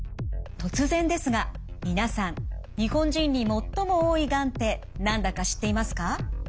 突然ですが皆さん日本人に最も多いがんって何だか知っていますか？